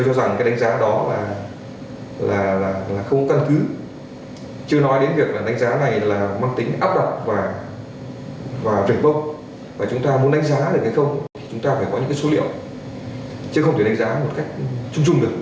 chứ không thể đánh giá một cách chung chung được